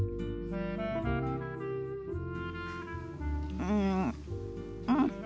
うんうん。